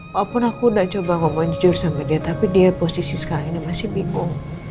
walaupun aku tidak coba ngomong jujur sama dia tapi dia posisi sekarang ini masih bingung